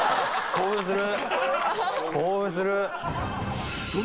興奮する！